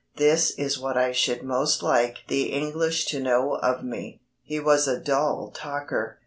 This is what I should most like the English to know of me." He was a dull talker.